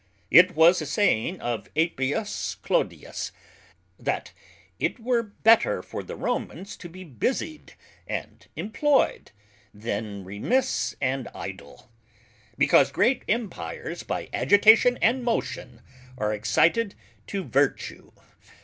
It was a saying of Appius Clodius, _That it were better for the Romans to be busied and imployed, then remiss and idle; Because great Empires by agitation and motion are excited to Vertue_.